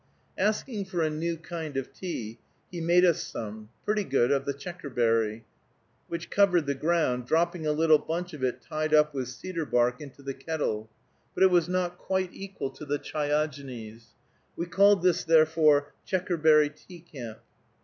Asking for a new kind of tea, he made us some, pretty good, of the checkerberry (Gaultheria procumbens), which covered the ground, dropping a little bunch of it tied up with cedar bark into the kettle; but it was not quite equal to the Chiogenes. We called this therefore Checkerberry Tea Camp.